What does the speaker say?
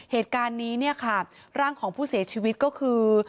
เหตุการณ์นี้เนี่ยค่ะร่างของผู้เสียชีวิตก็คือ